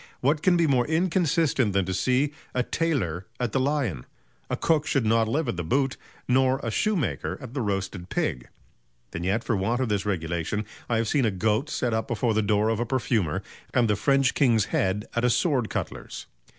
What can be more inconsistent than to see ... a tailor at the Lion? A cook should not live at the Boot, nor a Shoe maker at the Roasted Pig; and yet for want of this regulation, I have seen a Goat set up before the door of a perfumer, and the French King's Head at a sword cutler's."